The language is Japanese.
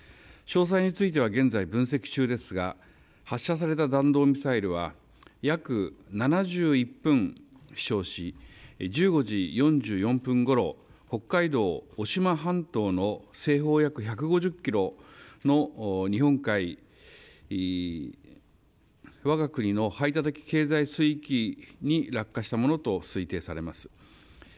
詳細については現在、分析中ですが、発射された弾道ミサイルは、約７１分飛しょうし、１５時４４分ごろ、北海道渡島半島の西方約１５０キロの日本海、わが国の排他的経済水域に落下したものと推定されます。